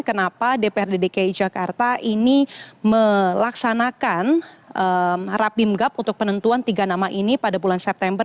kenapa dprd dki jakarta ini melaksanakan rapim gap untuk penentuan tiga nama ini pada bulan september